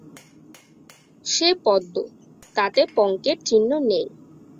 সে পদ্ম, তাতে পঙ্কের চিহ্ন নেই।